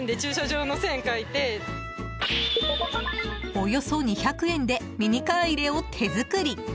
およそ２００円でミニカー入れを手作り。